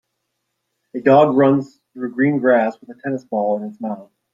A dog runs through green grass with a tennis ball in its mouth.